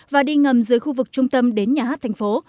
và đi ngầm dưới khu vực trung tâm đến nhà hát thành phố